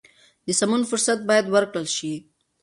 د سمون فرصت باید ورکړل شي.